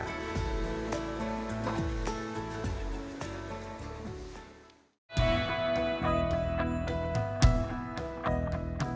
kepala pembangunan kepala pembangunan